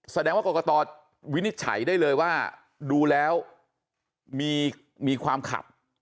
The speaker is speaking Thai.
แสดงว่ากรกตวินิจฉัยได้เลยว่าดูแล้วมีความขัด